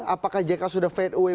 apakah jk sudah fade away